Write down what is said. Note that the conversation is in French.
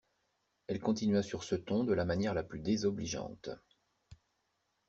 Elle continua sur ce ton de la manière la plus désobligeante.